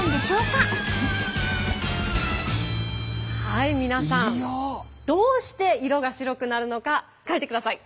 はい皆さんどうして色が白くなるのか書いてください。